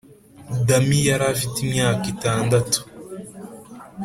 Dami yari afite imyaka itandatu